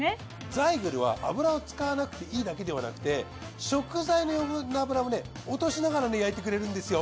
ザイグルは油を使わなくていいだけではなくて食材の余分な脂もね落としながら焼いてくれるんですよ。